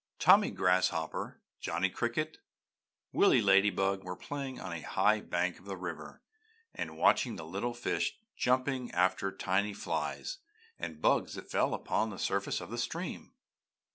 Tommy Grasshopper, Johnny Cricket and Willy Ladybug were playing on a high bank of the river, and watching the little fish jumping after tiny flies and bugs that fell upon the surface of the stream.